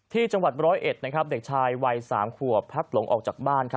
ที่จังหวัดร้อยเอ็ดนะครับเด็กชายวัย๓ขวบพักหลงออกจากบ้านครับ